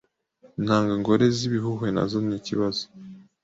Intanga ngore z’ibihuhwe nazo nikibazo